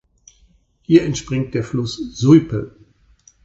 Hier entspringt der Fluss Suippe.